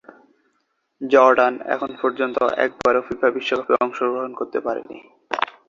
Jordan এপর্যন্ত একবারও FIFA বিশ্বকাপে অংশগ্রহণ করতে পারেনি।